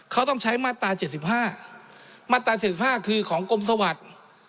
เขาต้องใช้มาตราเจ็ดสิบห้ามาตราเจ็ดสิบห้าคือของกรมสวรรค์